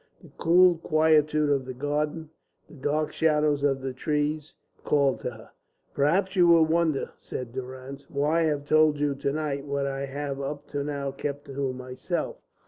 The cool quietude of the garden, the dark shadows of the trees, called to her. "Perhaps you will wonder," said Durrance, "why I have told you to night what I have up till now kept to myself.